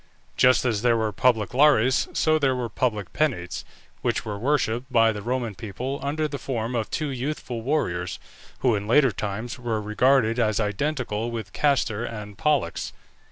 Just as there were public Lares so there were public Penates, which were worshipped by the Roman people under the form of two youthful warriors, who, in later times, were regarded as identical with Castor and Pollux.